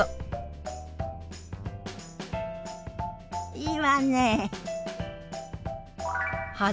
いいわね。